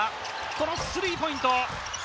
このスリーポイント。